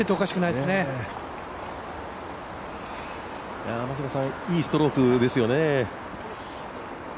いいストロークですよね。